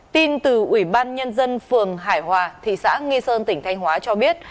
tin từ ủy ban nhân dân phường hải hòa thị xã nghi sơn tỉnh thanh hóa cho biết